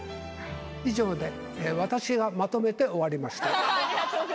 以上で私がまとめて終わりました。